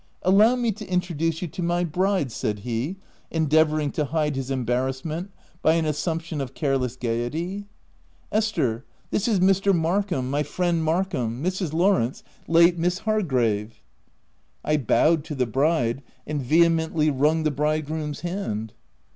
" Allow me to introduce you to my bride," said he, endeavouring to hide his embarrass OF WILDFELL HALL. 296 ment by an assumption of careless gaiety. "Esther, this is Mr. Markham, my friend Markham, Mrs. Lawrence, late Miss Hargrave. 5 ' 1 bowed to the bride, and vehemently wrung the bridegroom's hand.